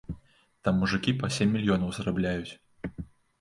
Там мужыкі па сем мільёнаў зарабляюць.